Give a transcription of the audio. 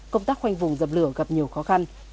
công tác khoanh vùng dập lửa gặp nhiều khó khăn